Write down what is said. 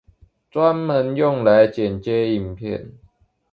專門用來剪接影片